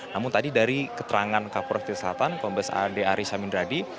namun tadi dari keterangan kapolres jakarta selatan kombes adri syamindradi